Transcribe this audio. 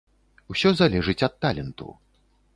Усё залежыць ад таленту.